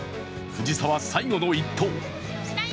藤澤、最後の一投。